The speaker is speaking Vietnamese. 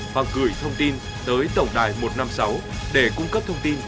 và gửi thông tin tới tổng đài một trăm năm mươi sáu để cung cấp thông tin